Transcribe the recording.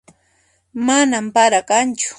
Manan para kanchu